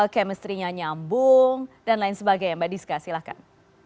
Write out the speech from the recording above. kemestrinya nyambung dan lain sebagainya mbak diska silahkan